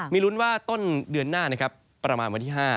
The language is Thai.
มีลุ้นว่าต้นเดือนหน้านะครับประมาณวันที่๕